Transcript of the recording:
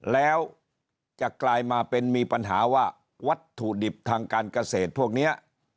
แล้วจะกลายมาเป็นมีปัญหาว่าวัตถุดิบทางการเกษตรพวกนี้